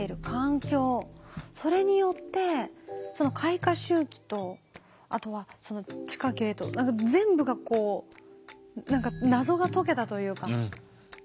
それによってその開花周期とあとはその地下茎と全部がこう何か謎が解けたというか全部関わり合っているんですね。